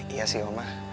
iya sih oma